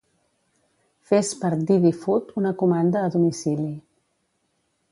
Fes per DiDi Food una comanda a domicili.